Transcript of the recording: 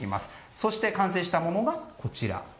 そして完成したものがこちら。